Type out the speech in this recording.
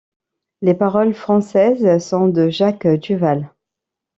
Les paroles françaises sont de Jacques Duvall.